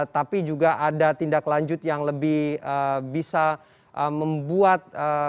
tapi juga ada tindak lanjut yang lebih bisa membuat